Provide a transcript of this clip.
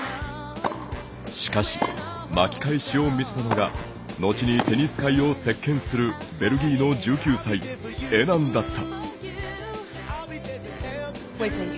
しかし、巻き返しを見せたのが後にテニス界を席けんするベルギーの１９歳、エナンだった。